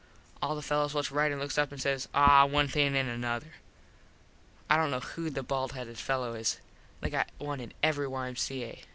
All the fellos whats ritin looks up an says "Aw one thing and another." I dont know who the bald headed fello is. They got one in every Y.M.C.A.